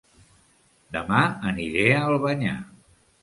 Dema aniré a Albanyà